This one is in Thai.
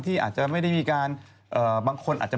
พี่ชอบแซงไหลทางอะเนาะ